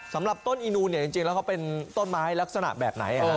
สำหรับต้นอีนูเนี่ยจริงแล้วเขาเป็นต้นไม้ลักษณะแบบไหน